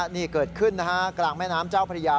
นี่เกิดขึ้นนะฮะกลางแม่น้ำเจ้าพระยา